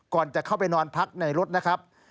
ก่อนจะเข้าไปนอนพักในรถนะครับ